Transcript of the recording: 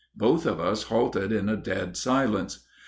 Both of us halted in a dead silence.